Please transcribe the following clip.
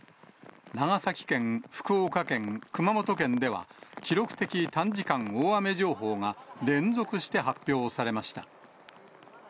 長崎県、福岡県、熊本県では、記録的短時間大雨情報が連続して発表されました。